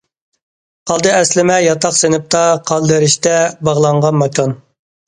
قالدى ئەسلىمە ياتاق- سىنىپتا، قالدى رىشتە باغلانغان ماكان.